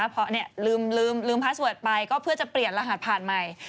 เพื่อจะเปลี่ยนรหัสผ่านใหม่